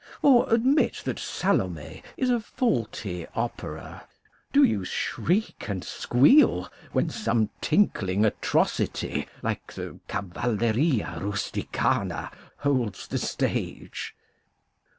Or admit that Salome is a faulty opera ; do you shriek and squeal when some tinkling atrocity like the " Cavalleria Rusticana " holds the stage?